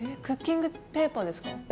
クッキングペーパーですか？